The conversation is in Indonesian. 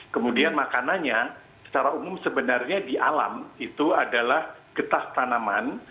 kemudian makanannya secara umum sebenarnya di alam itu adalah getah tanaman